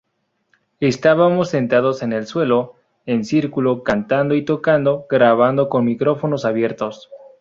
Estábamos sentados en el suelo, en círculo, cantando y tocando, grabando con micrófonos abiertos.